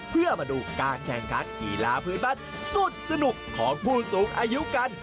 เพื่อมาดูการแข่งขันกีฬาพื้นบ้านสุดสนุกของผู้สูงอายุกัน